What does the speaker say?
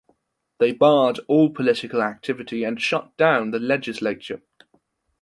They barred all political activity and shut down the legislature.